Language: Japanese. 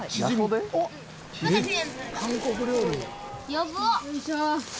やばっ！